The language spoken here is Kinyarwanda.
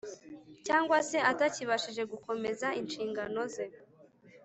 cyangwa se atakibashije gukomeza inshingano ze.